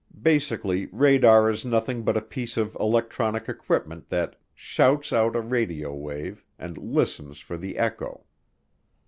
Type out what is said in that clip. Basically radar is nothing but a piece of electronic equipment that "shouts" out a radio wave and "listens" for the echo.